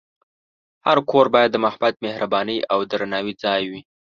هر کور باید د محبت، مهربانۍ، او درناوي ځای وي.